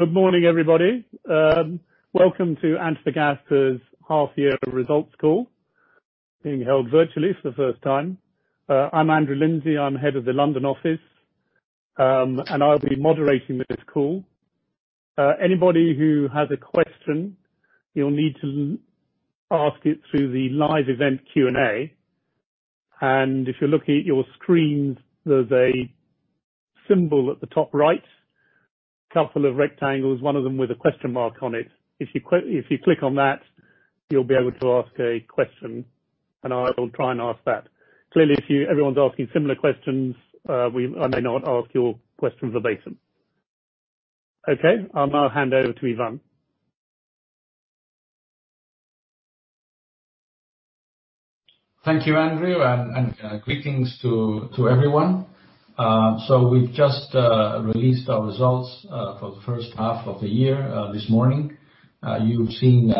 Good morning, everybody. Welcome to Antofagasta's half year results call being held virtually for the first time. I'm Andrew Lindsay, I'm head of the London office, and I'll be moderating this call. Anybody who has a question, you'll need to ask it through the live event Q&A. If you're looking at your screens, there's a symbol at the top right, couple of rectangles, one of them with a question mark on it. If you click on that, you'll be able to ask a question, and I will try and ask that. Clearly, if everyone's asking similar questions, I may not ask your question verbatim. Okay, I'll now hand over to Iván. Thank you, Andrew. Greetings to everyone. We've just released our results for the first half of the year this morning. You've seen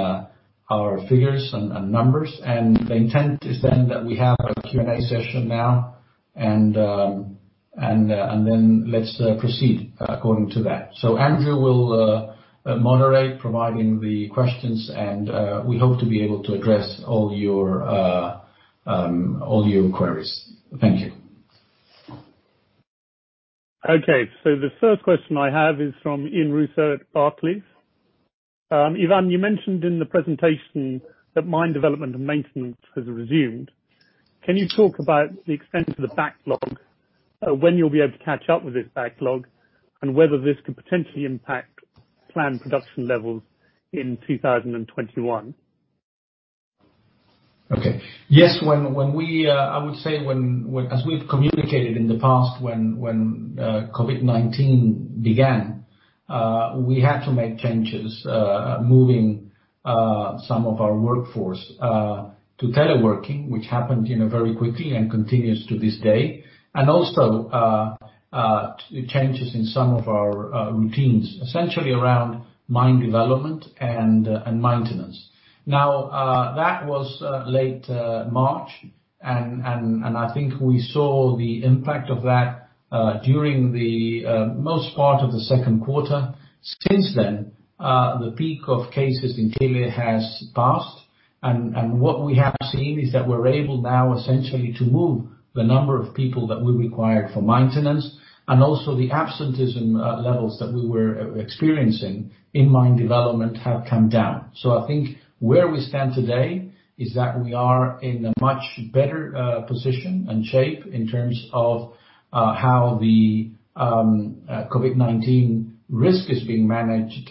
our figures and numbers. The intent is that we have a Q&A session now. Let's proceed according to that. Andrew will moderate providing the questions. We hope to be able to address all your queries. Thank you. Okay, the first question I have is from Ian Rossouw at Barclays. Iván, you mentioned in the presentation that mine development and maintenance has resumed. Can you talk about the extent of the backlog, when you'll be able to catch up with this backlog, and whether this could potentially impact planned production levels in 2021? Okay. Yes, I would say, as we've communicated in the past, when COVID-19 began, we had to make changes, moving some of our workforce to teleworking, which happened very quickly and continues to this day. Also changes in some of our routines, essentially around mine development and maintenance. That was late March, and I think we saw the impact of that during the most part of the second quarter. Since then, the peak of cases in Chile has passed, and what we have seen is that we're able now essentially to move the number of people that we required for maintenance and also the absenteeism levels that we were experiencing in mine development have come down. I think where we stand today is that we are in a much better position and shape in terms of how the COVID-19 risk is being managed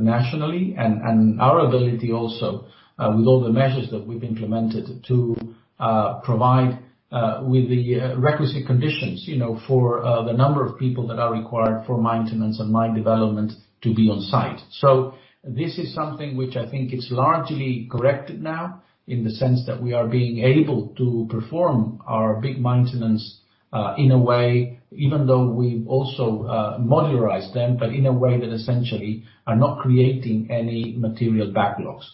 nationally and our ability also with all the measures that we've implemented to provide with the requisite conditions for the number of people that are required for maintenance and mine development to be on site. This is something which I think is largely corrected now in the sense that we are being able to perform our big maintenance in a way, even though we've also modularized them, but in a way that essentially are not creating any material backlogs.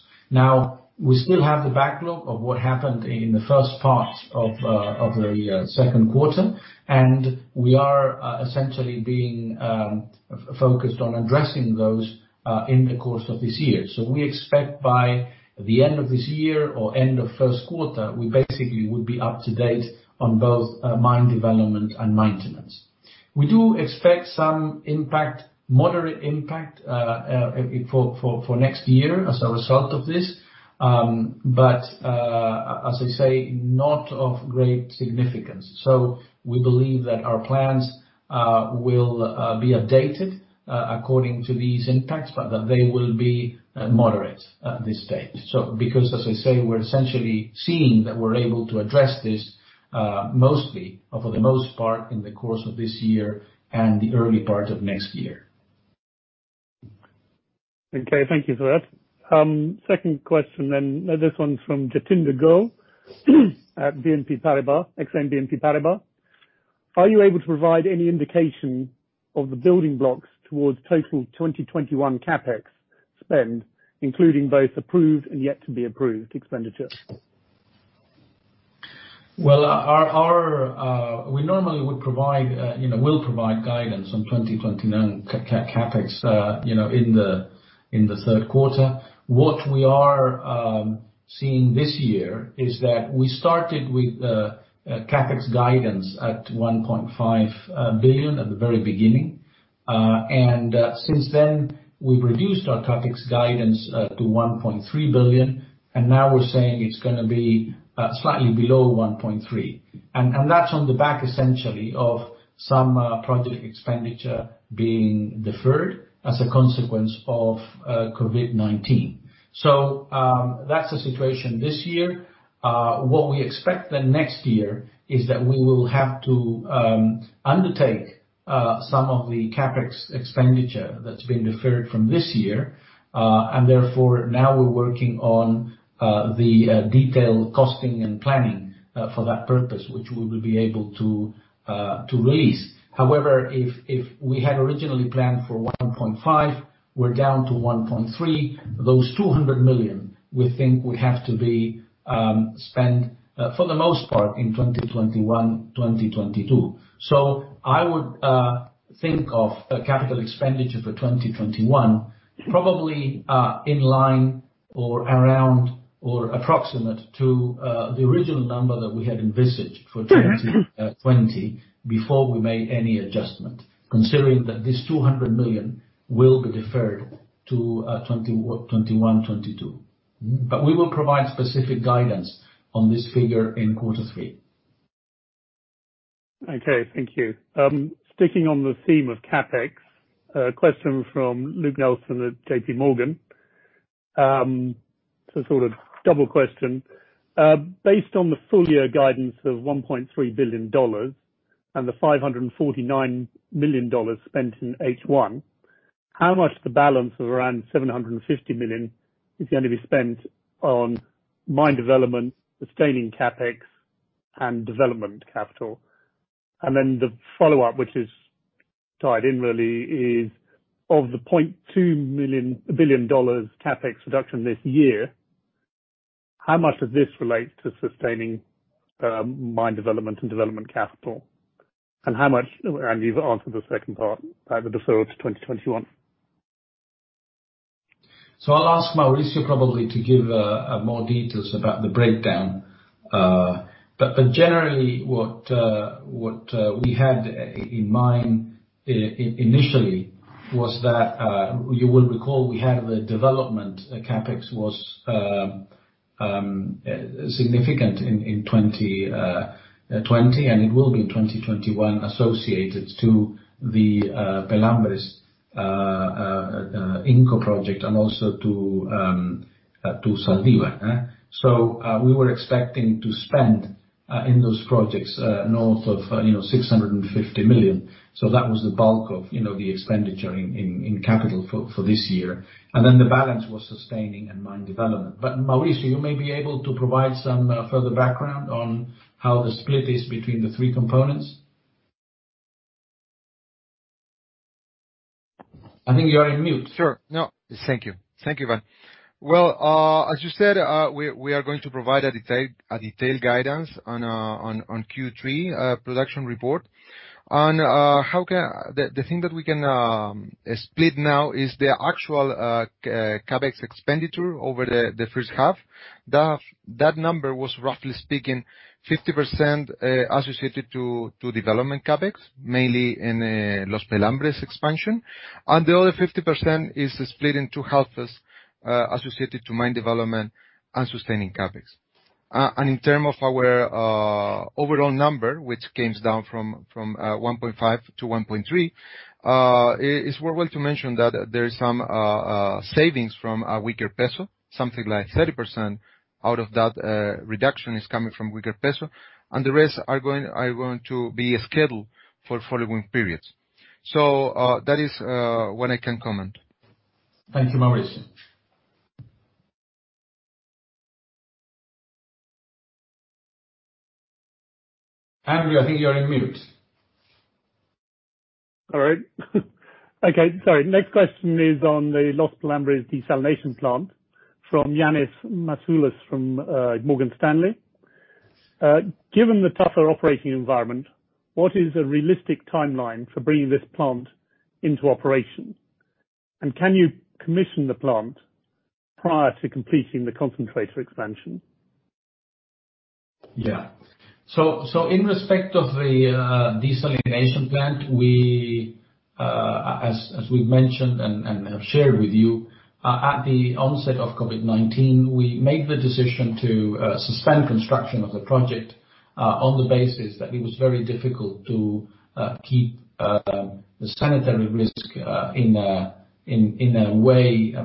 We still have the backlog of what happened in the first part of the second quarter, and we are essentially being focused on addressing those in the course of this year. We expect by the end of this year or end of first quarter, we basically would be up to date on both mine development and maintenance. We do expect some moderate impact for next year as a result of this. As I say, not of great significance. We believe that our plans will be updated according to these impacts, but that they will be moderate at this stage. As I say, we're essentially seeing that we're able to address this for the most part, in the course of this year and the early part of next year. Okay. Thank you for that. Second question. This one's from Jatinder Goel at BNP Paribas, Exane BNP Paribas. Are you able to provide any indication of the building blocks towards total 2021 CapEx spend, including both approved and yet to be approved expenditure? We normally will provide guidance on 2021 CapEx in the third quarter. What we are seeing this year is that we started with CapEx guidance at $1.5 billion at the very beginning. Since then, we've reduced our CapEx guidance to $1.3 billion, and now we're saying it's going to be slightly below $1.3 billion. That's on the back essentially of some project expenditure being deferred as a consequence of COVID-19. That's the situation this year. What we expect next year is that we will have to undertake some of the CapEx expenditure that's been deferred from this year. Therefore now we're working on the detailed costing and planning for that purpose, which we will be able to release. However, if we had originally planned for $1.5 billion, we're down to $1.3 billion. Those $200 million we think would have to be spent for the most part in 2021, 2022. I would think of capital expenditure for 2021, probably in line or around or approximate to the original number that we had envisaged for 2020 before we made any adjustment, considering that this $200 million will be deferred to 2021, 2022. We will provide specific guidance on this figure in quarter three. Okay, thank you. Sticking on the theme of CapEx, a question from Luke Nelson at JPMorgan. It's a sort of double question. Based on the full year guidance of $1.3 billion and the $549 million spent in H1, how much of the balance of around $750 million is going to be spent on mine development, sustaining CapEx, and development capital? The follow-up, which is tied in really, is of the $0.2 billion CapEx reduction this year, how much of this relates to sustaining mine development and development capital? How much, and you've answered the second part, by the deferral to 2021. I'll ask Mauricio probably to give more details about the breakdown. Generally, what we had in mind initially was that, you will recall, we had the development CapEx was significant in 2020, and it will be in 2021 associated to the Los Pelambres INCO project and also to Zaldívar. We were expecting to spend in those projects north of $650 million. That was the bulk of the expenditure in capital for this year. The balance was sustaining and mine development. Mauricio, you may be able to provide some further background on how the split is between the three components. I think you are on mute. Sure. No. Thank you. Thank you, Iván. Well, as you said, we are going to provide a detailed guidance on Q3 production report. The thing that we can split now is the actual CapEx expenditure over the first half. That number was, roughly speaking, 50% associated to development CapEx, mainly in Los Pelambres expansion, and the other 50% is split in 2/2 associated to mine development and sustaining CapEx. In term of our overall number, which comes down from $1.5 billion to $1.3 billion, it's worthwhile to mention that there is some savings from a weaker peso. Something like 30% out of that reduction is coming from weaker peso, and the rest are going to be scheduled for following periods. That is what I can comment. Thank you, Mauricio. Andrew, I think you are on mute. All right. Okay, sorry. Next question is on the Los Pelambres desalination plant from Ioannis Masvoulas from Morgan Stanley. Given the tougher operating environment, what is a realistic timeline for bringing this plant into operation? Can you commission the plant prior to completing the concentrator expansion? In respect of the desalination plant, as we've mentioned and have shared with you, at the onset of COVID-19, we made the decision to suspend construction of the project on the basis that it was very difficult to keep the sanitary risk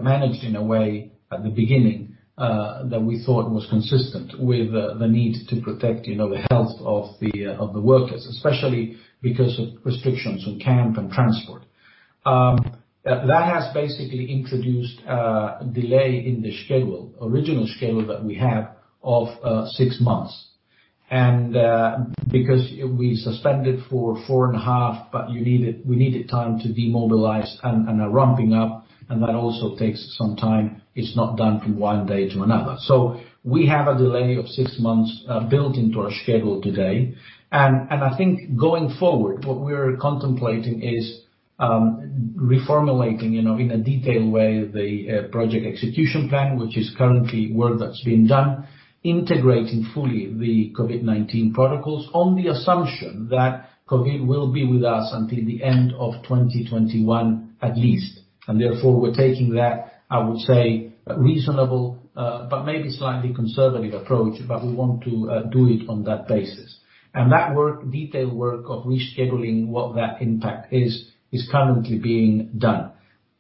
managed in a way, at the beginning, that we thought was consistent with the need to protect the health of the workers, especially because of restrictions on camp and transport. That has basically introduced a delay in the original schedule that we had of six months. Because we suspended for 4.5 months, we needed time to demobilize and are ramping up, that also takes some time. It's not done from one day to another. We have a delay of six months built into our schedule today. I think going forward, what we're contemplating is reformulating, in a detailed way, the project execution plan, which is currently work that's being done, integrating fully the COVID-19 protocols on the assumption that COVID will be with us until the end of 2021 at least. Therefore, we're taking that, I would say, reasonable, but maybe slightly conservative approach, but we want to do it on that basis. That detailed work of rescheduling what that impact is currently being done.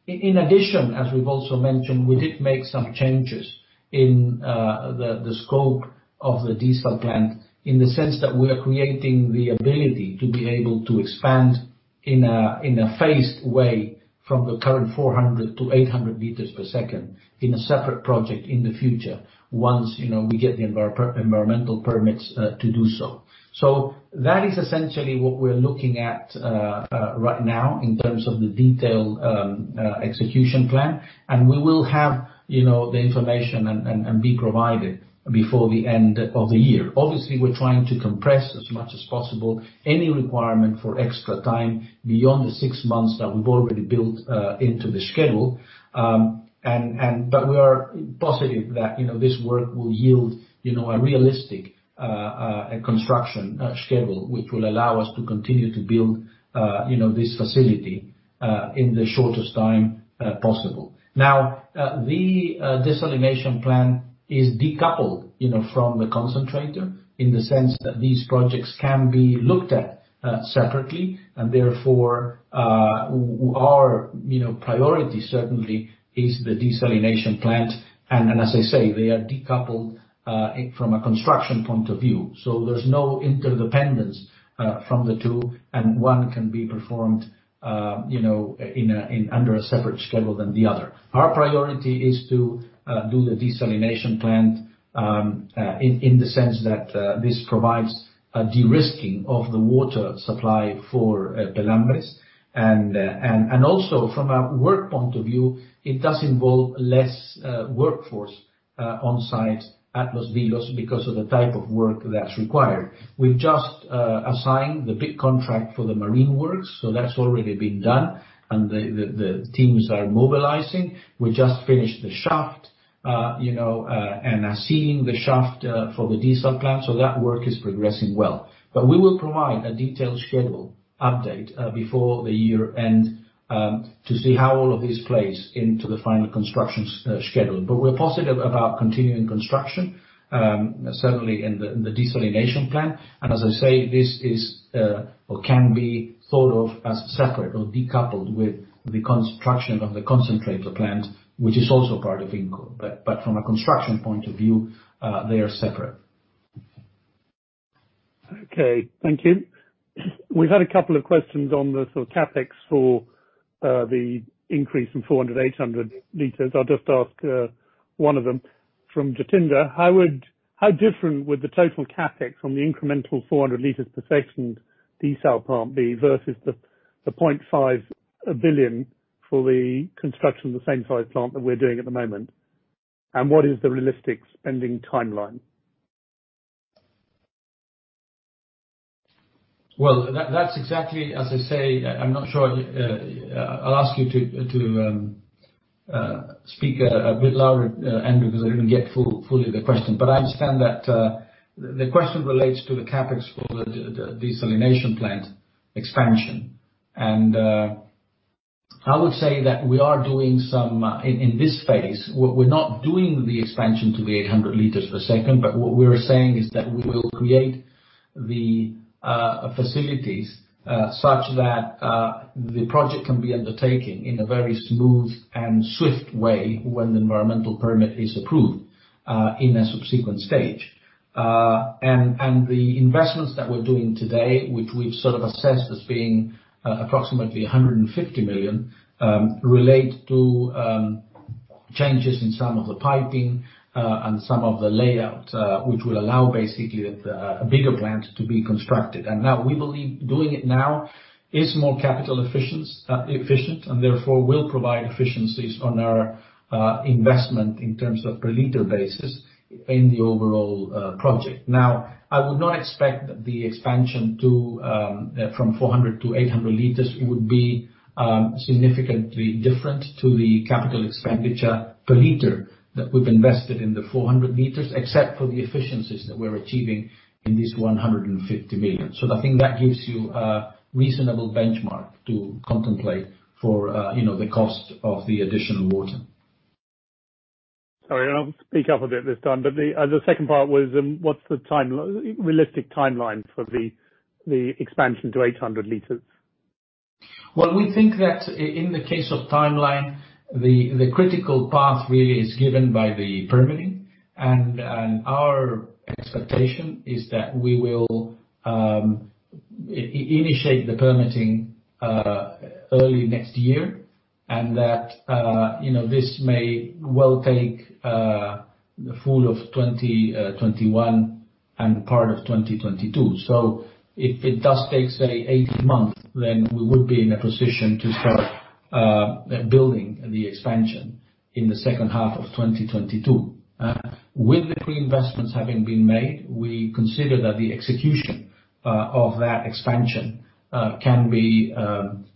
In addition, as we've also mentioned, we did make some changes in the scope of the diesel plant in the sense that we are creating the ability to be able to expand in a phased way from the current 400 to 800 L per second in a separate project in the future once we get the environmental permits to do so. That is essentially what we're looking at right now in terms of the detailed execution plan. We will have the information and be provided before the end of the year. Obviously, we're trying to compress as much as possible any requirement for extra time beyond the six months that we've already built into the schedule. We are positive that this work will yield a realistic construction schedule, which will allow us to continue to build this facility in the shortest time possible. The desalination plant is decoupled from the concentrator in the sense that these projects can be looked at separately, and therefore our priority certainly is the desalination plant. As I say, they are decoupled from a construction point of view. There's no interdependence from the two, and one can be performed under a separate schedule than the other. Our priority is to do the desalination plant in the sense that this provides a de-risking of the water supply for Los Pelambres. Also from a work point of view, it does involve less workforce on site at Los Vilos because of the type of work that's required. We've just assigned the big contract for the marine works, so that's already been done and the teams are mobilizing. We just finished the shaft, and are sinking the shaft for the desal plant, so that work is progressing well. We will provide a detailed schedule update before the year-end to see how all of this plays into the final construction schedule. We're positive about continuing construction, certainly in the desalination plant. As I say, this is or can be thought of as separate or decoupled with the construction of the concentrator plant, which is also part of INCO. From a construction point of view, they are separate. Okay, thank you. We've had a couple of questions on the CapEx for the increase from 400 to 800 L. I'll just ask one of them from Jatinder. How different would the total CapEx from the incremental 400 L per second desal plant be versus the $500 million for the construction of the same size plant that we're doing at the moment? What is the realistic spending timeline? Well, that's exactly, as I say, I'm not sure. I'll ask you to speak a bit louder, Andrew, because I didn't get fully the question. I understand that the question relates to the CapEx for the desalination plant expansion. I would say that we are doing In this phase, we're not doing the expansion to the 800 L per second. What we're saying is that we will create the facilities such that the project can be undertaken in a very smooth and swift way when the environmental permit is approved in a subsequent stage. The investments that we're doing today, which we've sort of assessed as being approximately $150 million, relate to changes in some of the piping and some of the layout which will allow basically a bigger plant to be constructed. Now we believe doing it now is more capital efficient, and therefore will provide efficiencies on our investment in terms of per liter basis in the overall project. Now, I would not expect the expansion from 400 to 800 L would be significantly different to the capital expenditure per liter that we've invested in the 400 L, except for the efficiencies that we're achieving in this $150 million. I think that gives you a reasonable benchmark to contemplate for the cost of the additional water. Sorry, I'll speak up a bit this time. The second part was, what's the realistic timeline for the expansion to 800 L? We think that in the case of timeline, the critical path really is given by the permitting. Our expectation is that we will initiate the permitting early next year and that this may well take the full of 2021 and part of 2022. If it does take, say, 18 months, then we would be in a position to start building the expansion in the second half of 2022. With the pre-investments having been made, we consider that the execution of that expansion can be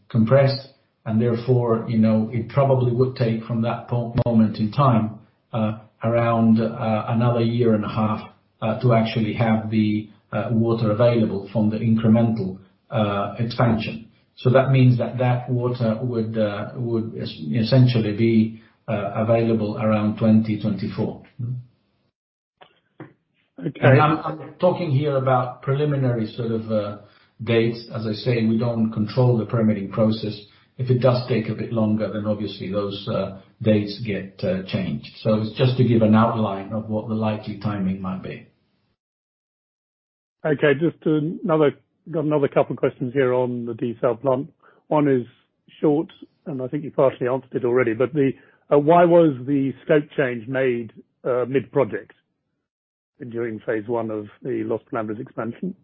compressed and therefore, it probably would take from that moment in time around another 1.5 year to actually have the water available from the incremental expansion. That means that water would essentially be available around 2024. Okay. I'm talking here about preliminary sort of dates. As I say, we don't control the permitting process. If it does take a bit longer, obviously those dates get changed. It's just to give an outline of what the likely timing might be. Okay. Just got another couple questions here on the desal plant. One is short, and I think you partially answered it already. Why was the scope change made mid-project during phase one of the Los Pelambres expansion?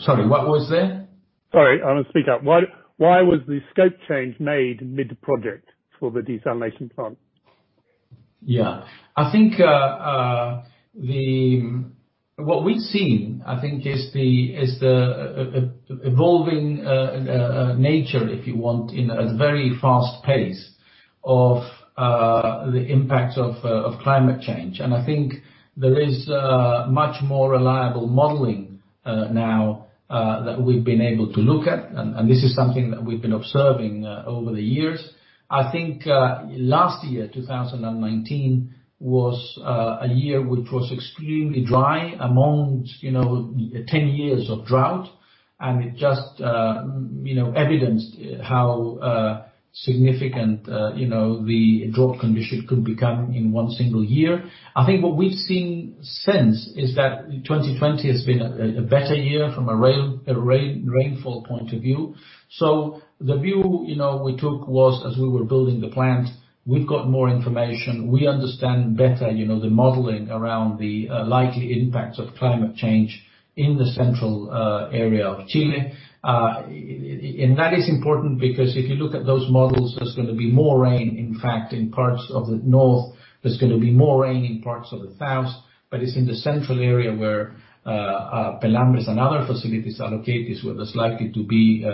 Sorry, what was that? Sorry, I don't speak up. Why was the scope change made mid-project for the desalination plant? Yeah. I think what we've seen, I think is the evolving nature, if you want, in a very fast pace of the impact of climate change. I think there is much more reliable modeling now that we've been able to look at, and this is something that we've been observing over the years. I think last year, 2019, was a year which was extremely dry among 10 years of drought, and it just evidenced how significant the drought condition could become in one single year. I think what we've seen since is that 2020 has been a better year from a rainfall point of view. The view we took was as we were building the plant, we've got more information. We understand better the modeling around the likely impacts of climate change in the central area of Chile. That is important because if you look at those models, there's going to be more rain, in fact, in parts of the north. There's going to be more rain in parts of the south, but it's in the central area where Pelambres and other facilities are located, where there's likely to be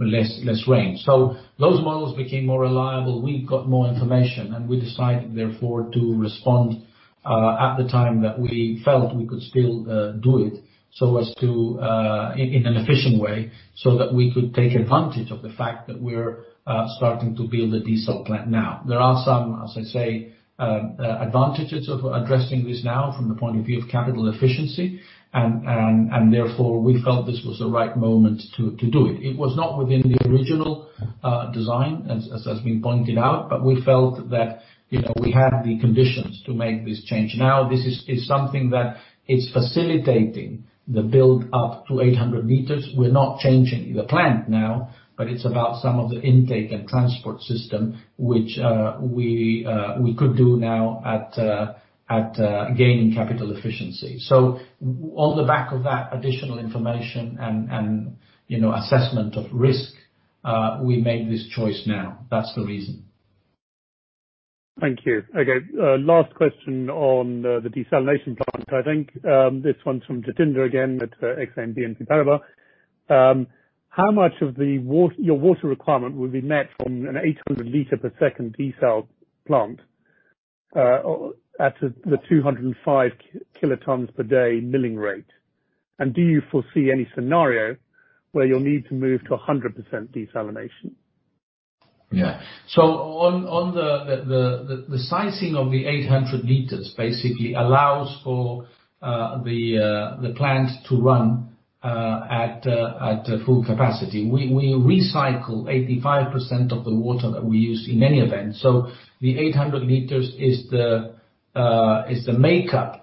less rain. Those models became more reliable. We got more information, and we decided, therefore, to respond at the time that we felt we could still do it in an efficient way so that we could take advantage of the fact that we're starting to build a desal plant now. There are some, as I say, advantages of addressing this now from the point of view of capital efficiency, and therefore, we felt this was the right moment to do it. It was not within the original design, as has been pointed out, we felt that we had the conditions to make this change. This is something that is facilitating the build up to 800 L. We're not changing the plant now, it's about some of the intake and transport system, which we could do now at gaining capital efficiency. On the back of that additional information and assessment of risk, we made this choice now. That's the reason. Thank you. Okay, last question on the desalination plant, I think. This one's from Jatinder again at Exane BNP Paribas. How much of your water requirement will be met from an 800 L per second desal plant at the 205 kilotons per day milling rate? Do you foresee any scenario where you'll need to move to 100% desalination? On the sizing of the 800 L, basically allows for the plant to run at full capacity. We recycle 85% of the water that we use in any event. The 800 L is the makeup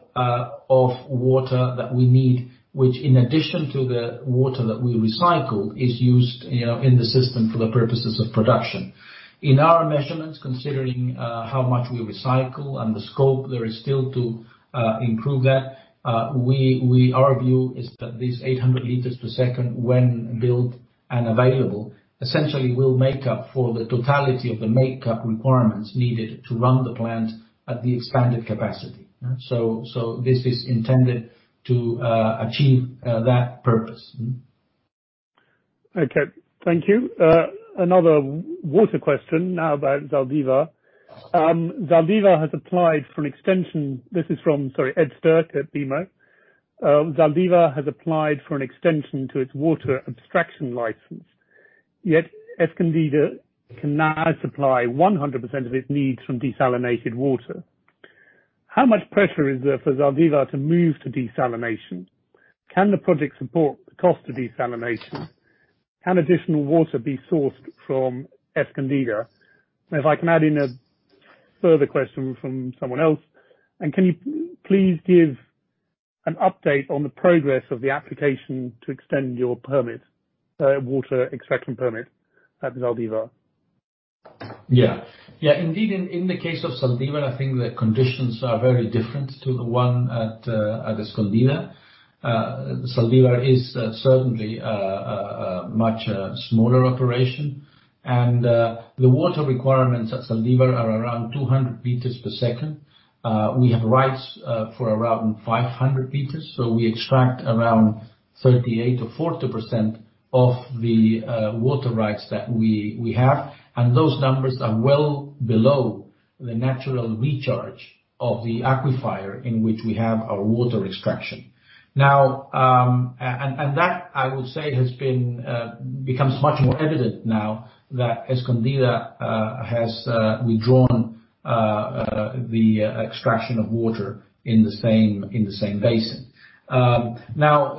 of water that we need, which, in addition to the water that we recycle, is used in the system for the purposes of production. In our measurements, considering how much we recycle and the scope there is still to improve that, our view is that this 800 L per second, when built and available, essentially will make up for the totality of the makeup requirements needed to run the plant at the expanded capacity. This is intended to achieve that purpose. Okay. Thank you. Another water question, now about Zaldívar. "Zaldívar has applied for an extension." This is from Ed Sterck at BMO. "Zaldívar has applied for an extension to its water abstraction license, yet Escondida can now supply 100% of its needs from desalinated water. How much pressure is there for Zaldívar to move to desalination? Can the project support the cost of desalination? Can additional water be sourced from Escondida?" If I can add in a further question from someone else, and can you please give an update on the progress of the application to extend your water extraction permit at Zaldívar? Yeah. Indeed, in the case of Zaldívar, I think the conditions are very different to the one at Escondida. Zaldívar is certainly a much smaller operation, and the water requirements at Zaldívar are around 200 L per second. We have rights for around 500 L, so we extract around 38%-40% of the water rights that we have, and those numbers are well below the natural recharge of the aquifer in which we have our water extraction. Now,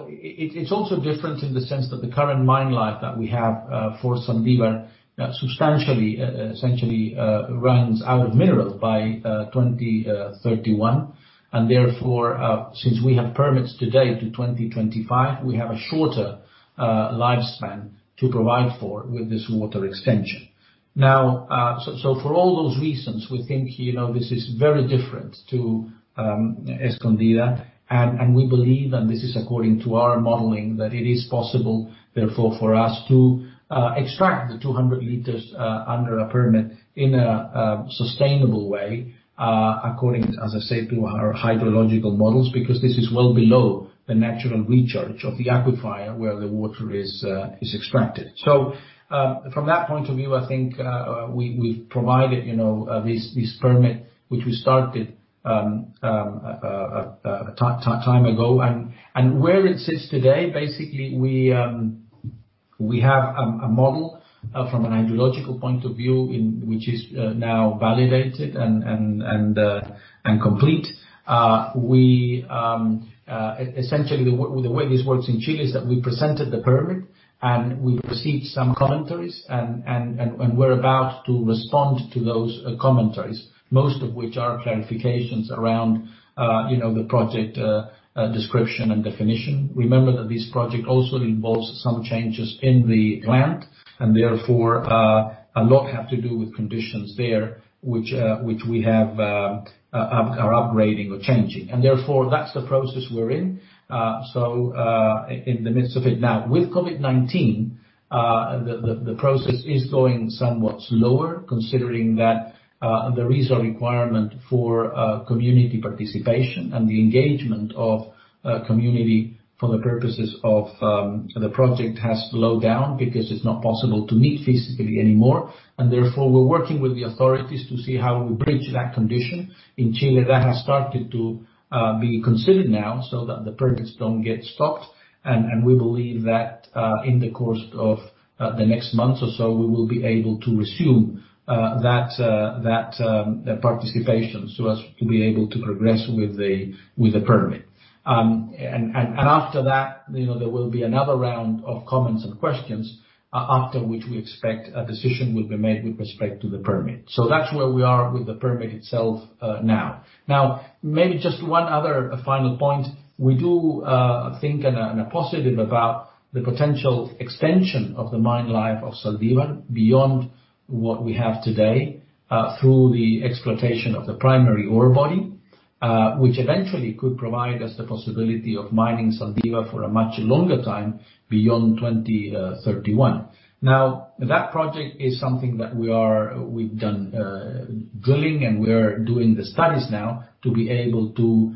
it's also different in the sense that the current mine life that we have for Zaldívar substantially, essentially, runs out of minerals by 2031, and therefore, since we have permits today to 2025, we have a shorter lifespan to provide for with this water extension. For all those reasons, we think this is very different to Escondida, and we believe, and this is according to our modeling, that it is possible, therefore, for us to extract the 200 L under a permit in a sustainable way, according, as I said, to our hydrological models, because this is well below the natural recharge of the aquifer where the water is extracted. From that point of view, I think we've provided this permit, which we started a time ago, and where it sits today, basically we have a model from a hydrological point of view, which is now validated and complete. Essentially, the way this works in Chile is that we presented the permit, and we received some commentaries, and we're about to respond to those commentaries, most of which are clarifications around the project description and definition. Remember that this project also involves some changes in the plant, and therefore, a lot have to do with conditions there, which we have, are upgrading or changing. Therefore, that's the process we're in. In the midst of it now. With COVID-19, the process is going somewhat slower considering that there is a requirement for community participation, and the engagement of community for the purposes of the project has slowed down because it's not possible to meet physically anymore. Therefore, we're working with the authorities to see how we bridge that condition. In Chile, that has started to be considered now so that the permits don't get stopped. We believe that, in the course of the next month or so, we will be able to resume that participation, so as to be able to progress with the permit. After that, there will be another round of comments and questions, after which we expect a decision will be made with respect to the permit. That's where we are with the permit itself now. Maybe just one other final point. We do think in a positive about the potential extension of the mine life of Zaldívar beyond what we have today, through the exploitation of the primary ore body, which eventually could provide us the possibility of mining Zaldívar for a much longer time beyond 2031. That project is something that we've done drilling and we're doing the studies now to be able to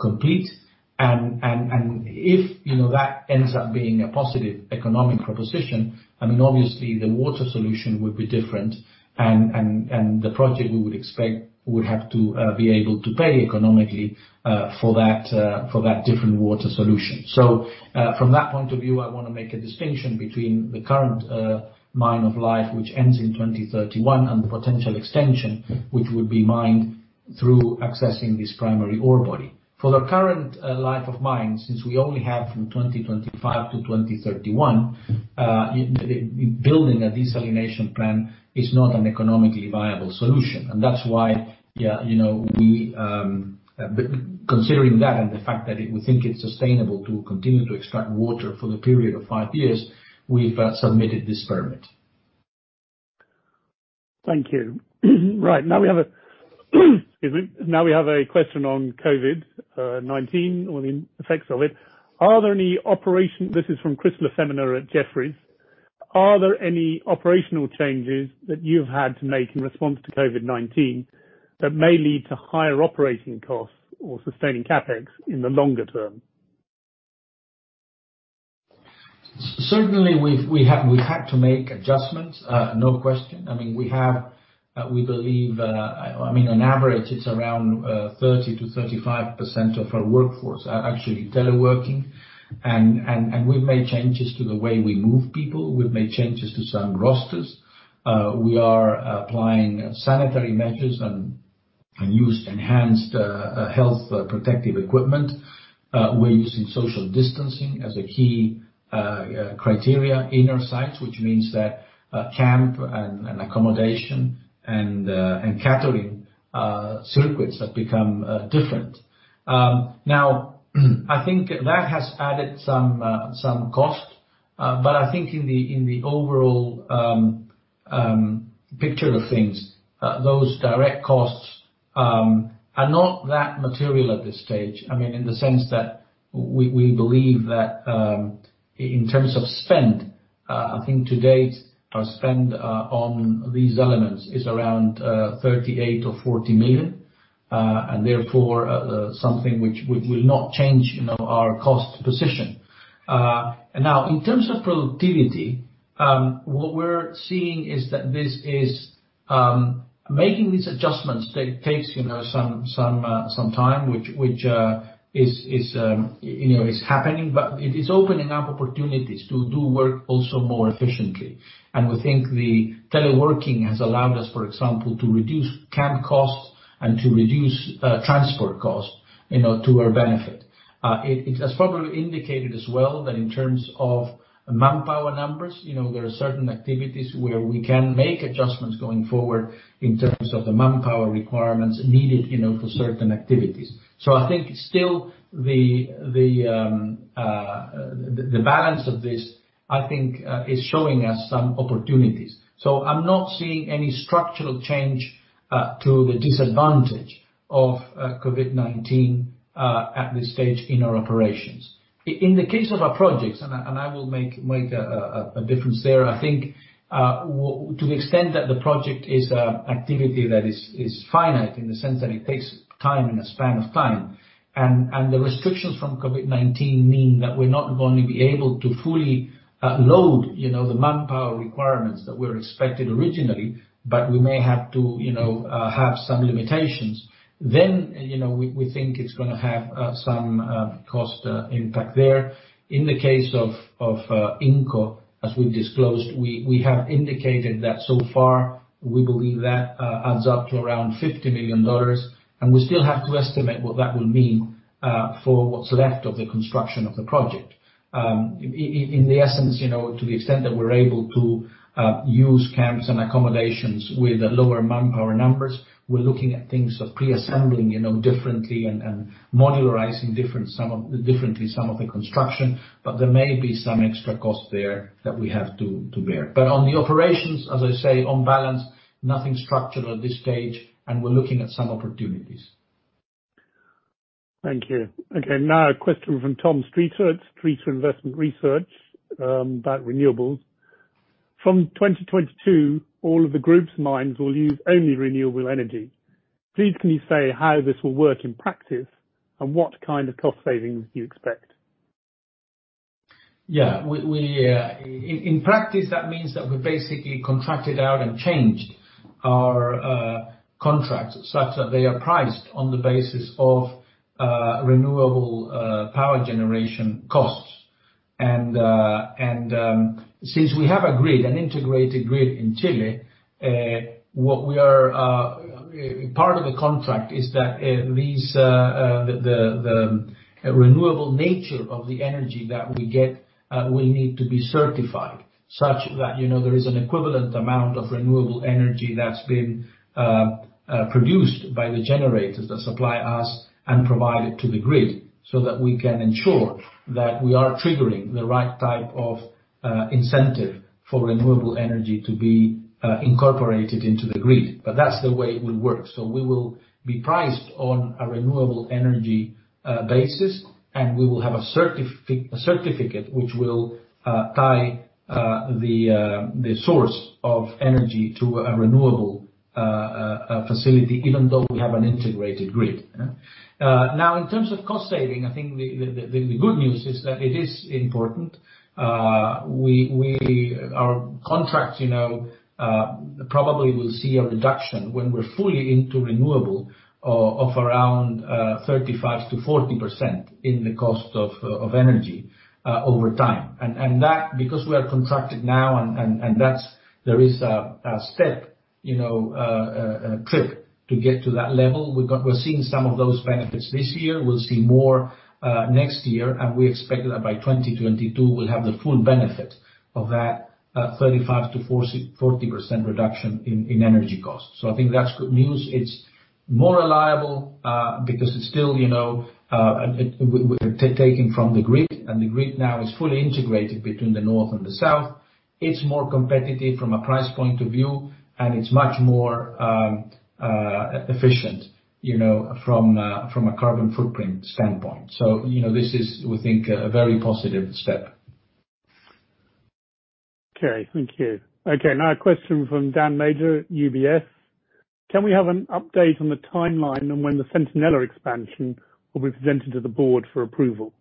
complete. If that ends up being a positive economic proposition, obviously the water solution would be different and the project we would expect would have to be able to pay economically for that different water solution. From that point of view, I want to make a distinction between the current mine of life, which ends in 2031, and the potential extension, which would be mined through accessing this primary ore body. For the current life of mine, since we only have from 2025 to 2031, building a desalination plant is not an economically viable solution. That's why considering that and the fact that we think it's sustainable to continue to extract water for the period of five years, we've submitted this permit. Thank you. Right now, we have a question on COVID-19 or the effects of it. This is from Christopher LaFemina at Jefferies. Are there any operational changes that you've had to make in response to COVID-19 that may lead to higher operating costs or sustaining CapEx in the longer term? Certainly, we've had to make adjustments, no question. On average, it's around 30%-35% of our workforce are actually teleworking. We've made changes to the way we move people. We've made changes to some rosters. We are applying sanitary measures and use enhanced health protective equipment. We're using social distancing as a key criteria in our sites, which means that camp and accommodation and catering circuits have become different. Now, I think that has added some cost. I think in the overall picture of things, those direct costs are not that material at this stage. In the sense that we believe that, in terms of spend, I think to date our spend on these elements is around $38 million or $40 million. Therefore, something which will not change our cost position. In terms of productivity, what we're seeing is that making these adjustments takes some time, which is happening. It is opening up opportunities to do work also more efficiently. We think the teleworking has allowed us, for example, to reduce camp costs and to reduce transport costs to our benefit. It has probably indicated as well that in terms of manpower numbers, there are certain activities where we can make adjustments going forward in terms of the manpower requirements needed for certain activities. I think still the balance of this is showing us some opportunities. I'm not seeing any structural change to the disadvantage of COVID-19 at this stage in our operations. In the case of our projects, and I will make a difference there, I think to the extent that the project is a activity that is finite in the sense that it takes time and a span of time, and the restrictions from COVID-19 mean that we're not going to be able to fully load the manpower requirements that were expected originally, but we may have to have some limitations, then we think it's going to have some cost impact there. In the case of INCO, as we've disclosed, we have indicated that so far, we believe that adds up to around $50 million, and we still have to estimate what that will mean for what's left of the construction of the project. In the essence, to the extent that we're able to use camps and accommodations with lower manpower numbers, we're looking at things like pre-assembling differently and modularizing differently some of the construction, but there may be some extra cost there that we have to bear. On the operations, as I say, on balance, nothing structural at this stage, and we're looking at some opportunities. Thank you. Okay, now a question from Tom Streeter at Streeter Investment Research about renewables. From 2022, all of the group's mines will use only renewable energy. Please can you say how this will work in practice and what kind of cost savings do you expect? Yeah. In practice, that means that we basically contracted out and changed our contracts such that they are priced on the basis of renewable power generation costs. Since we have a grid, an integrated grid in Chile, part of the contract is that the renewable nature of the energy that we get will need to be certified such that there is an equivalent amount of renewable energy that's been produced by the generators that supply us and provide it to the grid, so that we can ensure that we are triggering the right type of incentive for renewable energy to be incorporated into the grid. That's the way it will work. We will be priced on a renewable energy basis, and we will have a certificate which will tie the source of energy to a renewable facility, even though we have an integrated grid. In terms of cost saving, I think the good news is that it is important. Our contract probably will see a reduction when we're fully into renewable, of around 35%-40% in the cost of energy over time. Because we are contracted now, and there is a step, a trip to get to that level, we're seeing some of those benefits this year. We'll see more next year, we expect that by 2022, we'll have the full benefit of that 35%-40% reduction in energy costs. I think that's good news. It's more reliable because we're taking from the grid, the grid now is fully integrated between the north and the south. It's more competitive from a price point of view, it's much more efficient from a carbon footprint standpoint. This is, we think, a very positive step. Okay. Thank you. Okay, a question from Daniel Major at UBS. Can we have an update on the timeline on when the Centinela expansion will be presented to the board for approval?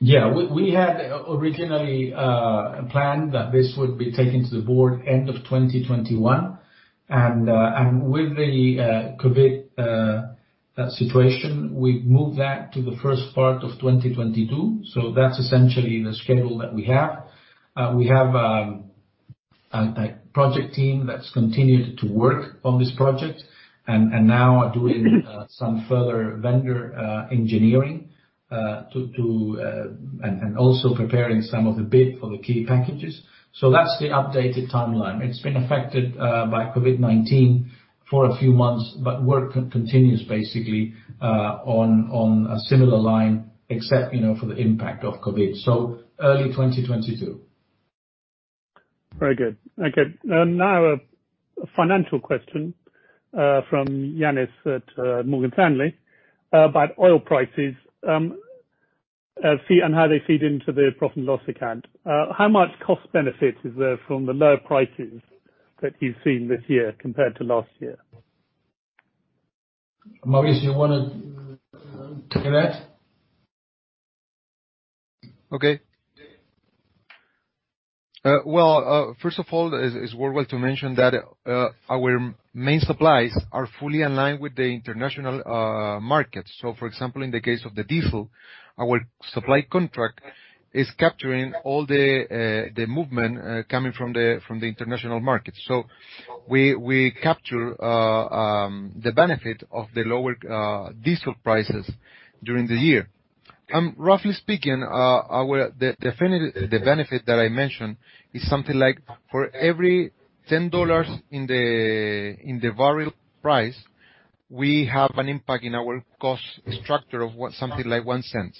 We had originally planned that this would be taken to the board end of 2021, and with the COVID-19 situation, we moved that to the first part of 2022. That's essentially the schedule that we have. We have a project team that's continued to work on this project, and now are doing some further vendor engineering, and also preparing some of the bid for the key packages. That's the updated timeline. It's been affected by COVID-19 for a few months, but work continues basically, on a similar line except for the impact of COVID-19. Early 2022. Very good. Okay. Now, a financial question from Ioannis at Morgan Stanley about oil prices, and how they feed into the profit and loss account. How much cost benefit is there from the lower prices that you've seen this year compared to last year? Mauricio, you want to take that? Okay. Well, first of all, it is worthwhile to mention that our main supplies are fully aligned with the international market. For example, in the case of the diesel, our supply contract is capturing all the movement coming from the international market. We capture the benefit of the lower diesel prices during the year. Roughly speaking, the benefit that I mentioned is something like for every $10 in the barrel price, we have an impact in our cost structure of something like $0.01.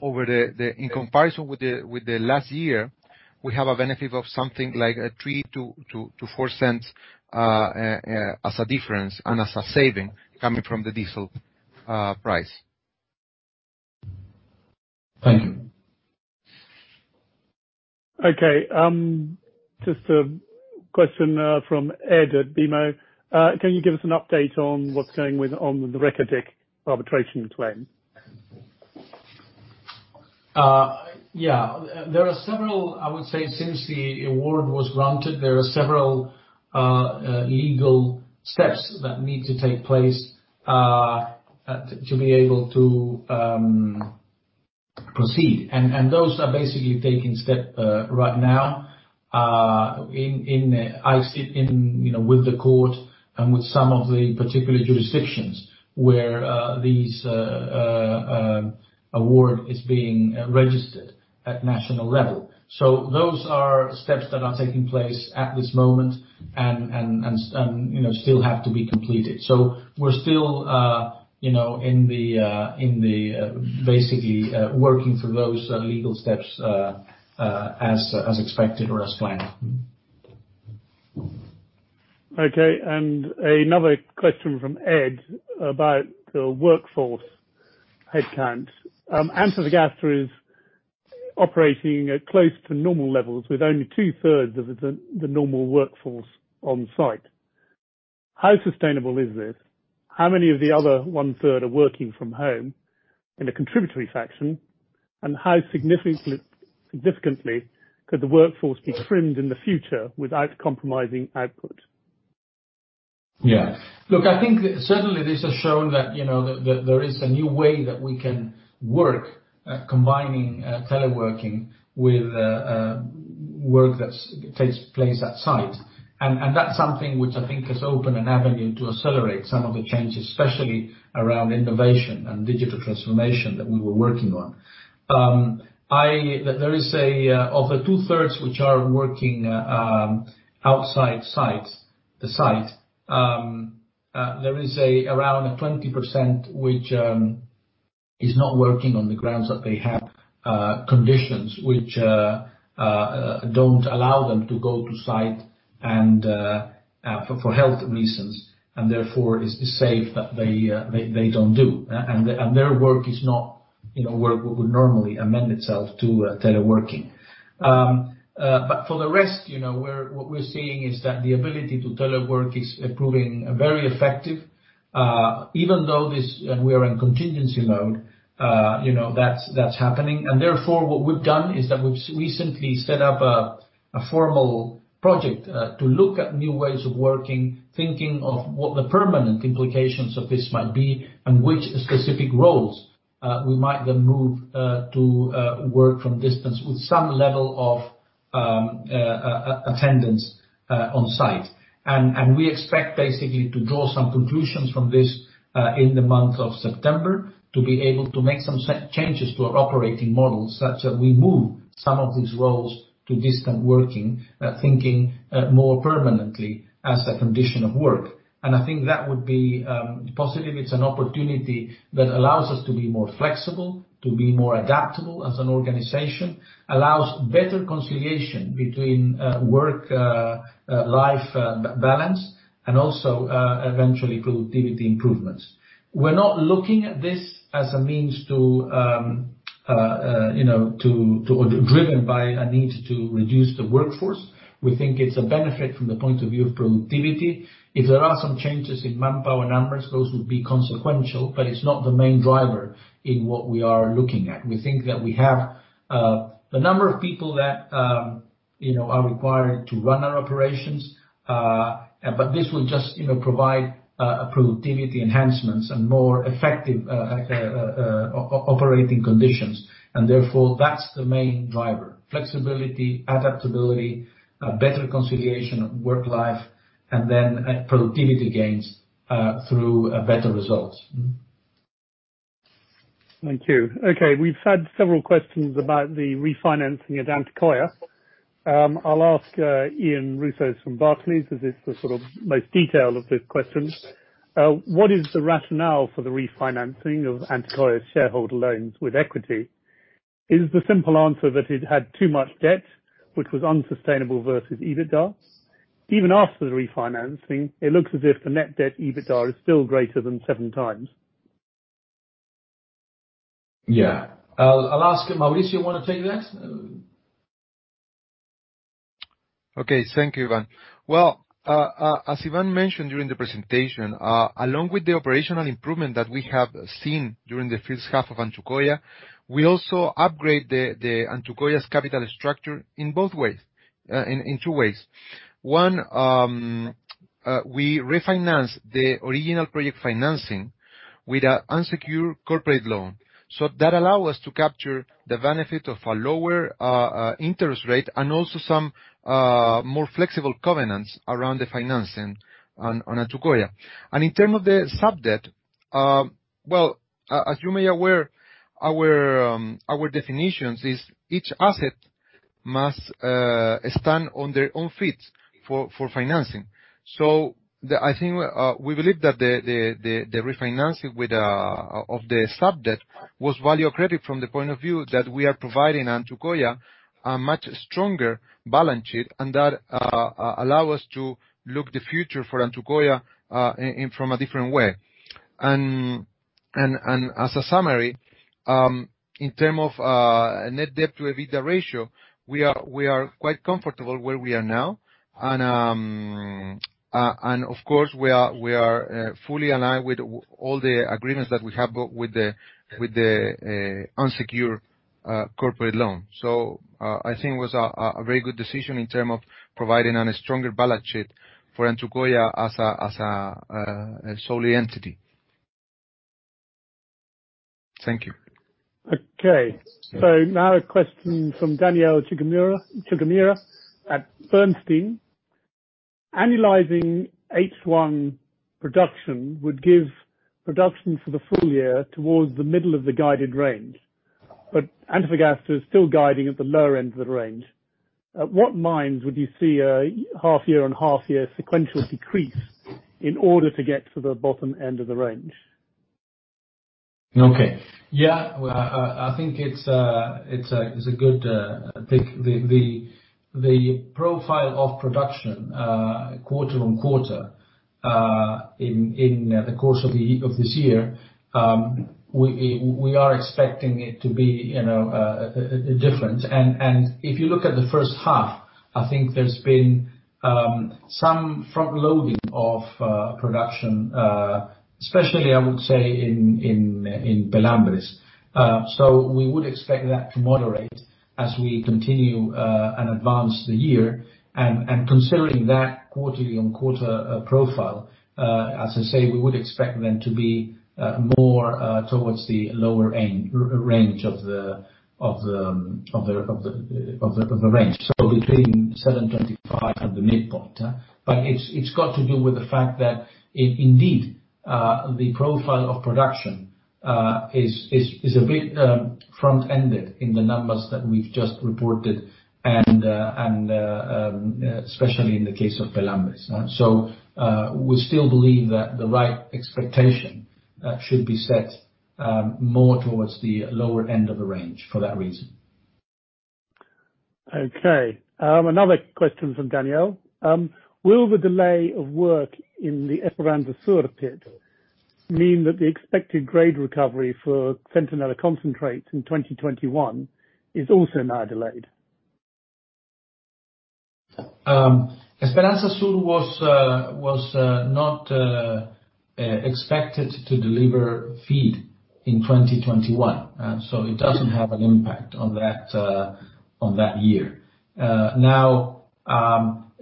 In comparison with the last year, we have a benefit of something like $0.03-$0.04 as a difference and as a saving coming from the diesel price. Thank you. Okay. Just a question from Ed at BMO. Can you give us an update on what's going on with the Reko Diq arbitration claim? Yeah. I would say since the award was granted, there are several legal steps that need to take place to be able to proceed. Those are basically taking step right now with the court and with some of the particular jurisdictions where this award is being registered at national level. Those are steps that are taking place at this moment and still have to be completed. We're still basically working through those legal steps, as expected or as planned. Okay. Another question from Ed about the workforce headcount. Antofagasta is operating at close to normal levels with only 2/3 of the normal workforce on site. How sustainable is this? How many of the other 1/3 are working from home in a contributory fashion? How significantly could the workforce be trimmed in the future without compromising output? Yeah. Look, I think certainly this has shown that there is a new way that we can work combining teleworking with work that takes place at site. That's something which I think has opened an avenue to accelerate some of the changes, especially around innovation and digital transformation that we were working on. Of the 2/3 which are working outside the site, there is around 20% which is not working on the grounds that they have conditions which don't allow them to go to site and for health reasons. Therefore, it's safe that they don't do. Their work would normally amend itself to teleworking. For the rest, what we're seeing is that the ability to telework is proving very effective even though we are in contingency mode that's happening. Therefore, what we've done is that we've recently set up a formal project, to look at new ways of working, thinking of what the permanent implications of this might be and which specific roles we might then move to work from distance with some level of attendance on site. We expect basically to draw some conclusions from this in the month of September to be able to make some changes to our operating model such that we move some of these roles to distant working, thinking more permanently as a condition of work. I think that would be positive. It's an opportunity that allows us to be more flexible, to be more adaptable as an organization, allows better conciliation between work life balance and also, eventually productivity improvements. We're not looking at this driven by a need to reduce the workforce. We think it's a benefit from the point of view of productivity. If there are some changes in manpower numbers, those would be consequential, but it's not the main driver in what we are looking at. We think that we have the number of people that are required to run our operations. This will just provide productivity enhancements and more effective operating conditions. Therefore, that's the main driver. Flexibility, adaptability, better conciliation of work life, and then productivity gains, through better results. Thank you. Okay, we've had several questions about the refinancing at Antucoya. I'll ask Ian Rossouw from Barclays as it's the most detailed of the questions. What is the rationale for the refinancing of Antucoya's shareholder loans with equity? Is the simple answer that it had too much debt, which was unsustainable versus EBITDA? Even after the refinancing, it looks as if the net debt EBITDA is still greater than seven times. Yeah. I'll ask Mauricio, want to take that? Okay. Thank you, Iván. Well, as Iván mentioned during the presentation, along with the operational improvement that we have seen during the first half of Antucoya, we also upgrade the Antucoya's capital structure in two ways. One, we refinance the original project financing with a unsecured corporate loan. That allow us to capture the benefit of a lower interest rate and also some more flexible covenants around the financing on Antucoya. In term of the sub-debt, well, as you may aware, our definitions is each asset must stand on their own feet for financing. I think we believe that the refinancing of the sub-debt was value accretive from the point of view that we are providing Antucoya a much stronger balance sheet, and that allow us to look the future for Antucoya from a different way. As a summary, in terms of net debt to EBITDA ratio, we are quite comfortable where we are now. Of course, we are fully aligned with all the agreements that we have with the unsecured corporate loan. I think it was a very good decision in terms of providing a stronger balance sheet for Antucoya as a solely entity. Thank you. Okay. Now a question from Danielle Chigumira at Bernstein. Annualizing H1 production would give production for the full year towards the middle of the guided range. Antofagasta is still guiding at the lower end of the range. At what mines would you see a 1/2 year on 1/2 year sequential decrease in order to get to the bottom end of the range? Okay. Yeah. Well, I think the profile of production, quarter on quarter, in the course of this year, we are expecting it to be different. If you look at the first half, I think there's been some front-loading of production, especially I would say in Pelambres. We would expect that to moderate as we continue and advance the year. Considering that quarterly on quarter profile, as I say, we would expect them to be more towards the lower end range of the range. Between 725 at the midpoint. It's got to do with the fact that indeed, the profile of production is a bit front-ended in the numbers that we've just reported and especially in the case of Pelambres. We still believe that the right expectation should be set more towards the lower end of the range for that reason. Okay. Another question from Danielle. Will the delay of work in the Esperanza Sur pit mean that the expected grade recovery for Centinela concentrate in 2021 is also now delayed? Esperanza Sur was not expected to deliver feed in 2021. It doesn't have an impact on that year.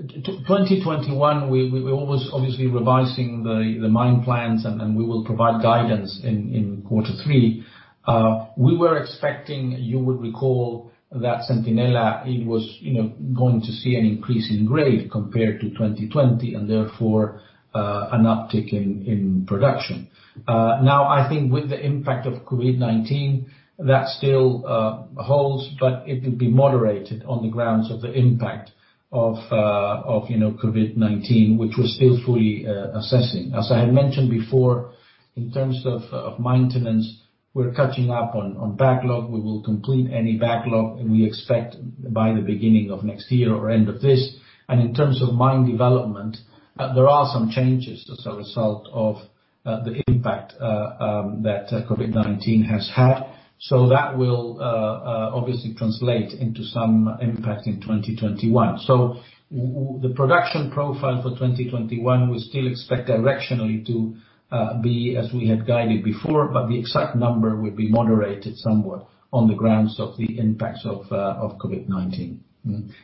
2021, we're obviously revising the mine plans. We will provide guidance in quarter three. We were expecting, you would recall, that Centinela, it was going to see an increase in grade compared to 2020. Therefore, an uptick in production. I think with the impact of COVID-19, that still holds. It will be moderated on the grounds of the impact of COVID-19, which we're still fully assessing. As I had mentioned before, in terms of maintenance, we're catching up on backlog. We will complete any backlog. We expect by the beginning of next year or end of this. In terms of mine development, there are some changes as a result of the impact that COVID-19 has had. That will obviously translate into some impact in 2021. The production profile for 2021, we still expect directionally to be as we had guided before, but the exact number will be moderated somewhat on the grounds of the impacts of COVID-19.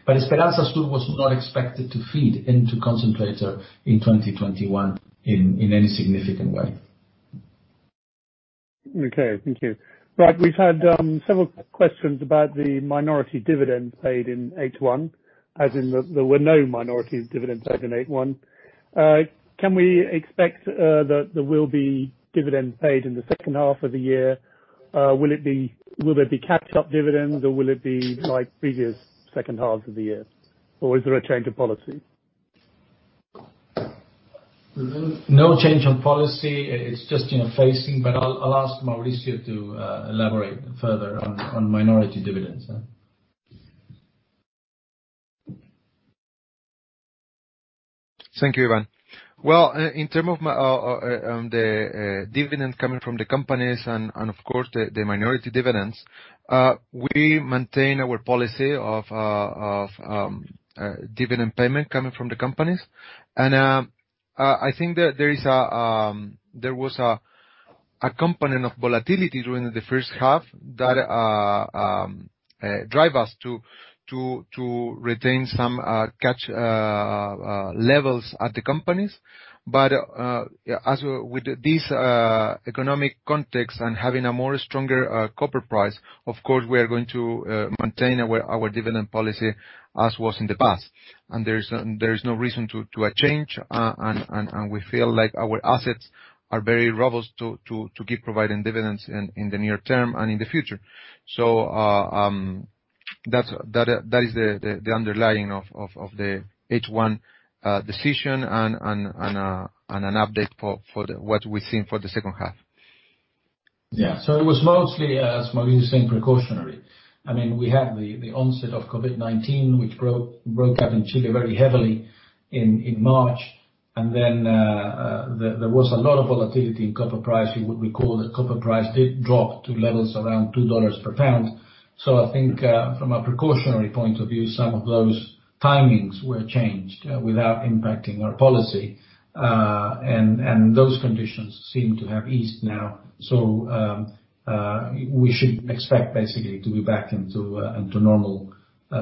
Esperanza Sur was not expected to feed into concentrator in 2021 in any significant way. Okay. Thank you. Right. We've had several questions about the minority dividends paid in H1, as in there were no minority dividends paid in H1. Can we expect that there will be dividends paid in the second half of the year? Will there be catch-up dividends, or will it be like previous second halves of the year? Is there a change of policy? No change on policy. It's just phasing, but I'll ask Mauricio to elaborate further on minority dividends. Thank you, Iván. Well, in term of the dividend coming from the companies and of course, the minority dividends, we maintain our policy of dividend payment coming from the companies. I think that there was a component of volatility during the first half that drive us to retain some cash levels at the companies. With this economic context and having a more stronger copper price, of course, we are going to maintain our dividend policy as was in the past. There is no reason to a change, and we feel like our assets are very robust to keep providing dividends in the near term and in the future. That is the underlying of the H1 decision and an update for what we're seeing for the second half. Yeah. It was mostly, as Mauricio saying, precautionary. We had the onset of COVID-19, which broke out in Chile very heavily in March. There was a lot of volatility in copper price. You would recall that copper price did drop to levels around $2 per pound. I think, from a precautionary point of view, some of those timings were changed without impacting our policy. Those conditions seem to have eased now. We should expect basically to be back into normal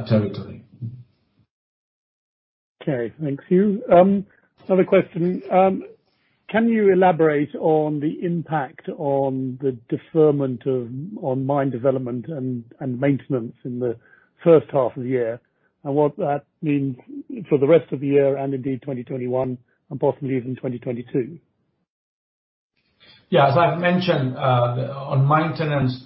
territory. Okay, thank you. Another question. Can you elaborate on the impact on the deferment on mine development and maintenance in the first half of the year, and what that means for the rest of the year and indeed 2021 and possibly even 2022? As I've mentioned, on maintenance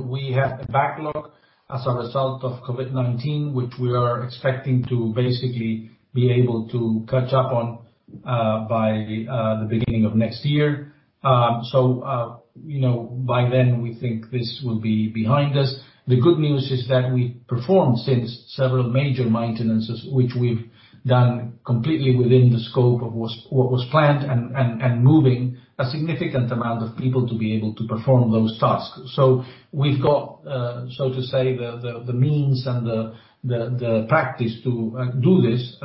we have a backlog as a result of COVID-19, which we are expecting to basically be able to catch up on by the beginning of next year. By then, we think this will be behind us. The good news is that we've performed since several major maintenances, which we've done completely within the scope of what was planned and moving a significant amount of people to be able to perform those tasks. We've got, so to say, the means and the practice to do this,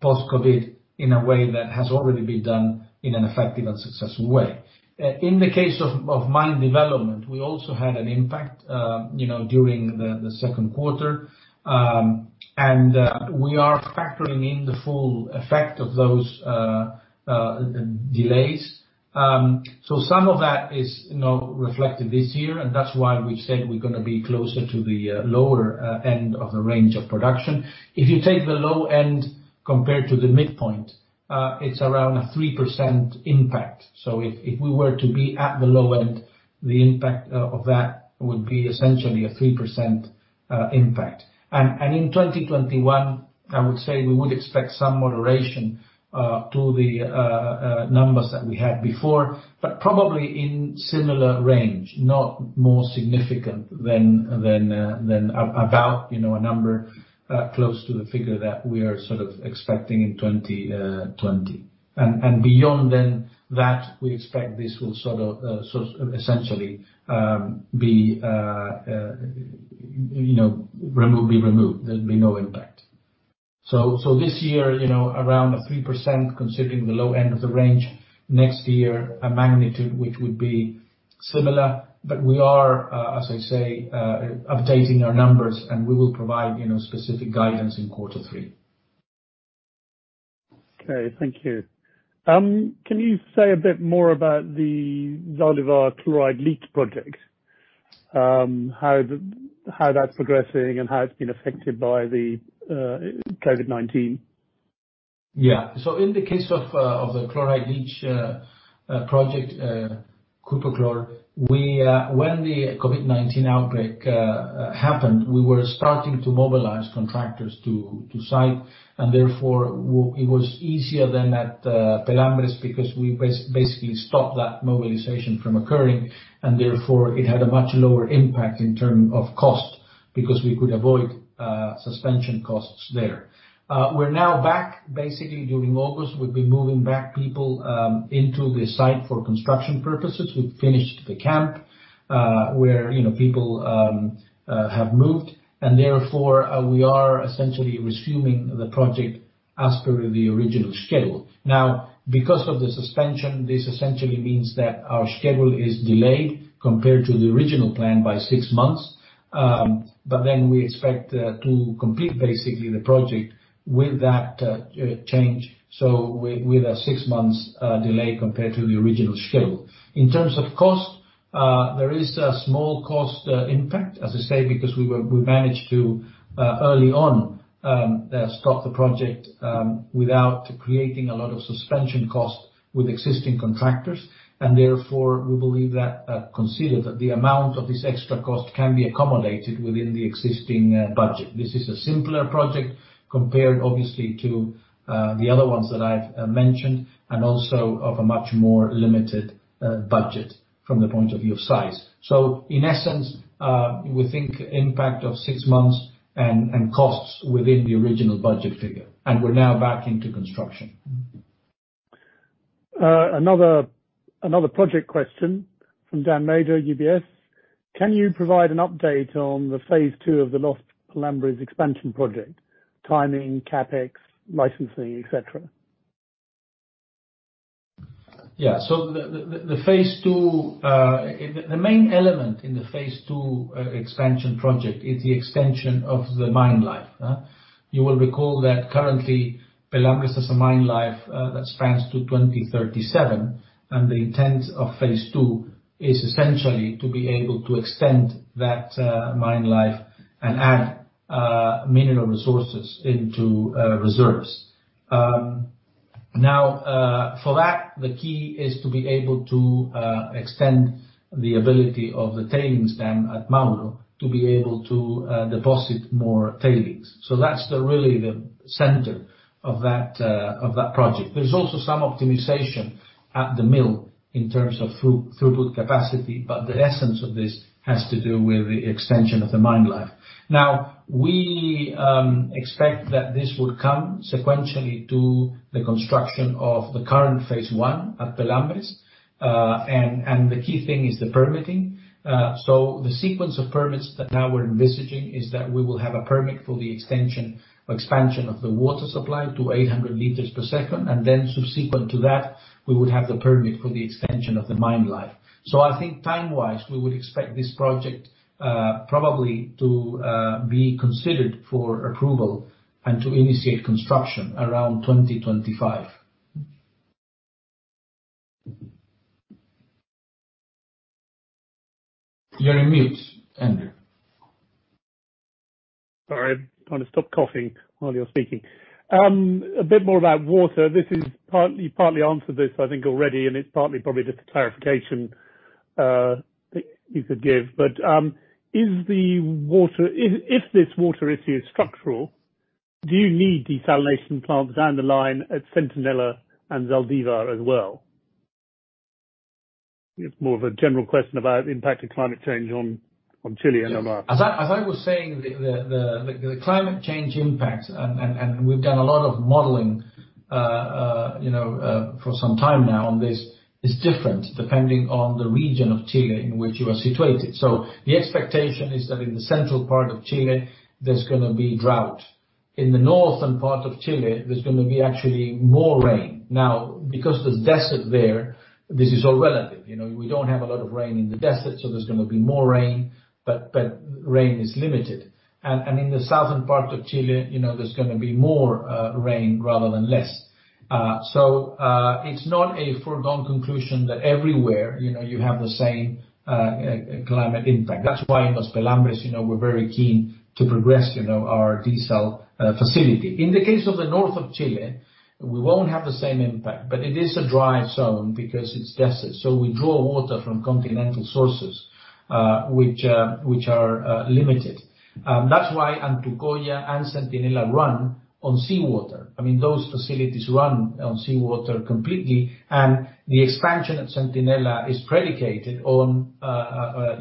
post-COVID, in a way that has already been done in an effective and successful way. In the case of mine development, we also had an impact during the second quarter. We are factoring in the full effect of those delays. Some of that is reflected this year, and that's why we've said we're going to be closer to the lower end of the range of production. If you take the low end compared to the midpoint, it's around a 3% impact. If we were to be at the low end, the impact of that would be essentially a 3% impact. In 2021, I would say we would expect some moderation to the numbers that we had before, but probably in similar range, not more significant than about a number close to the figure that we are sort of expecting in 2020. Beyond then, that we expect this will sort of essentially be removed. There'll be no impact. This year, around a 3% considering the low end of the range. Next year, a magnitude which would be similar, but we are, as I say, updating our numbers and we will provide specific guidance in quarter three. Okay, thank you. Can you say a bit more about the Zaldívar chloride leach project? How that's progressing and how it's been affected by the COVID-19? Yeah. In the case of the chloride leach project, CuproChlor, when the COVID-19 outbreak happened, we were starting to mobilize contractors to site, and therefore, it was easier than at Pelambres because we basically stopped that mobilization from occurring, and therefore, it had a much lower impact in term of cost because we could avoid suspension costs there. We're now back. Basically, during August, we've been moving back people into the site for construction purposes. We've finished the camp, where people have moved, and therefore, we are essentially resuming the project as per the original schedule. Because of the suspension, this essentially means that our schedule is delayed compared to the original plan by six months. We expect to complete basically the project with that change, so with a six months delay compared to the original schedule. In terms of cost, there is a small cost impact, as I say, because we managed to early on stop the project without creating a lot of suspension cost with existing contractors. Therefore, we believe that, consider that the amount of this extra cost can be accommodated within the existing budget. This is a simpler project compared obviously to the other ones that I've mentioned. Also of a much more limited budget from the point of view of size. In essence, we think impact of six months and costs within the original budget figure. We're now back into construction. Another project question from Dan Major, UBS. Can you provide an update on the phase II of the Los Pelambres expansion project, timing, CapEx, licensing, et cetera? The main element in the phase two expansion project is the expansion of the mine life. You will recall that currently, Los Pelambres is a mine life that spans to 2037, and the intent of phase two is essentially to be able to extend that mine life and add mineral resources into reserves. For that, the key is to be able to extend the ability of the tailings dam at Mauro to be able to deposit more tailings. That's really the center of that project. There's also some optimization at the mill in terms of throughput capacity, but the essence of this has to do with the extension of the mine life. We expect that this would come sequentially to the construction of the current phase one at Los Pelambres. The key thing is the permitting. The sequence of permits that now we're envisaging is that we will have a permit for the extension or expansion of the water supply to 800 L per second, and then subsequent to that, we would have the permit for the extension of the mine life. I think time-wise, we would expect this project probably to be considered for approval and to initiate construction around 2025. You're on mute, Andrew. Sorry, trying to stop coughing while you're speaking. A bit more about water. You partly answered this, I think already, and it's partly probably just a clarification you could give. If this water issue is structural, do you need desalination plants down the line at Centinela and Zaldívar as well? It's more of a general question about the impact of climate change on Chile and... As I was saying, the climate change impact, and we've done a lot of modeling for some time now on this, is different depending on the region of Chile in which you are situated. The expectation is that in the central part of Chile, there's going to be drought. In the northern part of Chile, there's going to be actually more rain. Now, because there's desert there, this is all relative. We don't have a lot of rain in the desert, so there's going to be more rain, but rain is limited. In the southern part of Chile, there's going to be more rain rather than less. It's not a foregone conclusion that everywhere you have the same climate impact. That's why in Los Pelambres we're very keen to progress our desal facility. In the case of the north of Chile, we won't have the same impact, but it is a dry zone because it's desert, so we draw water from continental sources, which are limited. That's why Antucoya and Centinela run on seawater. Those facilities run on seawater completely, and the expansion at Centinela is predicated on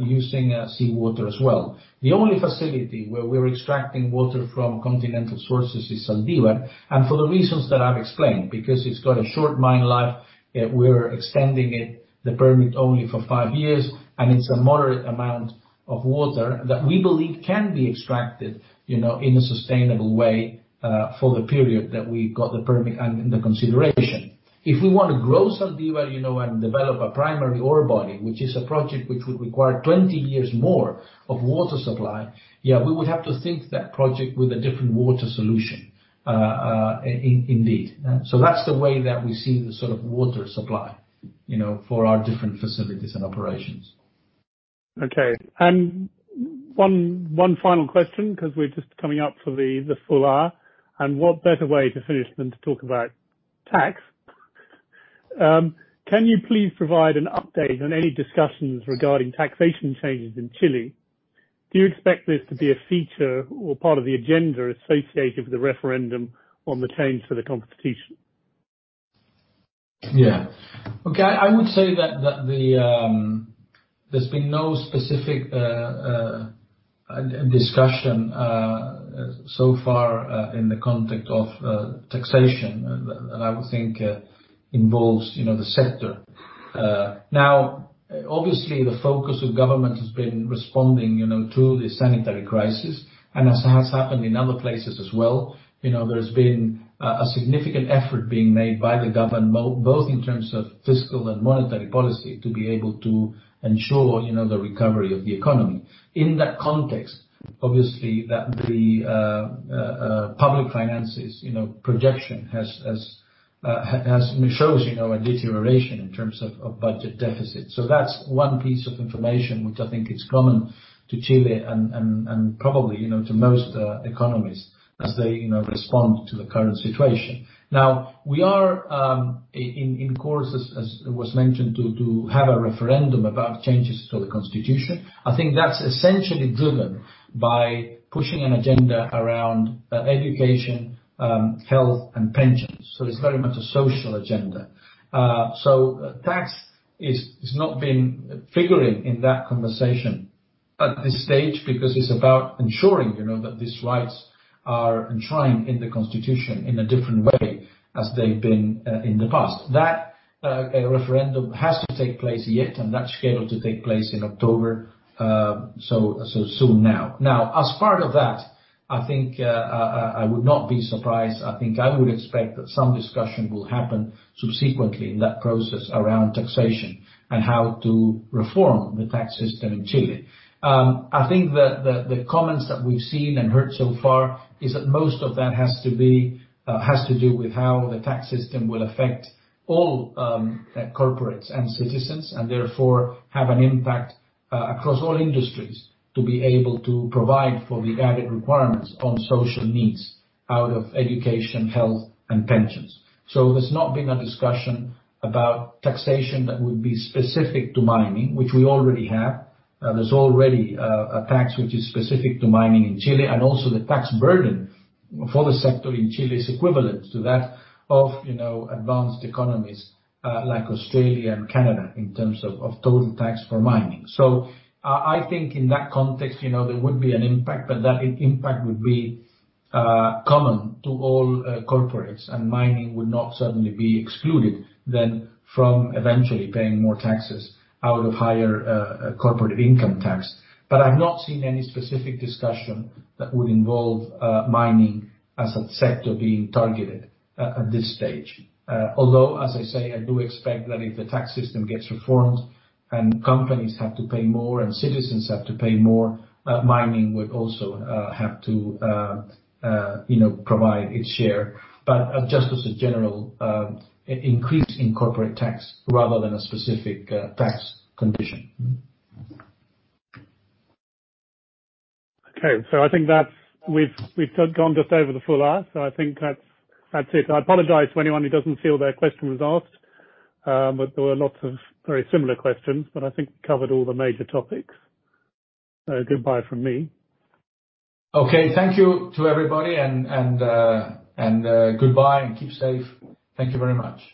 using seawater as well. The only facility where we're extracting water from continental sources is Zaldívar, and for the reasons that I've explained. Because it's got a short mine life, we're extending it, the permit, only for five years, and it's a moderate amount of water that we believe can be extracted in a sustainable way for the period that we've got the permit and the consideration. If we want to grow Zaldívar and develop a primary ore body, which is a project which would require 20 years more of water supply, we would have to think that project with a different water solution indeed. That's the way that we see the sort of water supply for our different facilities and operations. Okay. One final question because we're just coming up for the full hour, and what better way to finish than to talk about tax? Can you please provide an update on any discussions regarding taxation changes in Chile? Do you expect this to be a feature or part of the agenda associated with the referendum on the change to the constitution? Yeah. Okay. I would say that there's been no specific discussion so far in the context of taxation that I would think involves the sector. Obviously, the focus of government has been responding to the sanitary crisis, and as has happened in other places as well, there's been a significant effort being made by the government, both in terms of fiscal and monetary policy, to be able to ensure the recovery of the economy. In that context, obviously, the public finances projection shows a deterioration in terms of budget deficit. That's one piece of information which I think is common to Chile and probably to most economies as they respond to the current situation. We are in course, as was mentioned, to have a referendum about changes to the constitution. I think that's essentially driven by pushing an agenda around education, health, and pensions. It's very much a social agenda. Tax has not been figuring in that conversation at this stage because it's about ensuring that these rights are enshrined in the Constitution in a different way as they've been in the past. That referendum has to take place yet, and that's scheduled to take place in October, so soon now. As part of that, I think I would not be surprised. I think I would expect that some discussion will happen subsequently in that process around taxation and how to reform the tax system in Chile. I think the comments that we've seen and heard so far is that most of that has to do with how the tax system will affect all corporates and citizens, and therefore have an impact across all industries to be able to provide for the added requirements on social needs out of education, health, and pensions. There's not been a discussion about taxation that would be specific to mining, which we already have. There's already a tax which is specific to mining in Chile, and also the tax burden for the sector in Chile is equivalent to that of advanced economies like Australia and Canada in terms of total tax for mining. I think in that context, there would be an impact, but that impact would be common to all corporates, and mining would not suddenly be excluded then from eventually paying more taxes out of higher corporate income tax. I've not seen any specific discussion that would involve mining as a sector being targeted at this stage. Although, as I say, I do expect that if the tax system gets reformed and companies have to pay more and citizens have to pay more, mining would also have to provide its share. Just as a general increase in corporate tax rather than a specific tax condition. I think that we've gone just over the full hour. I think that's it. I apologize to anyone who doesn't feel their question was asked, but there were lots of very similar questions, but I think we covered all the major topics. Goodbye from me. Okay. Thank you to everybody, and goodbye, and keep safe. Thank you very much.